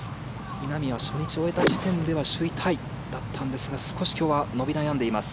稲見は初日を終えた時点では首位タイだったんですが少し今日は伸び悩んでいます。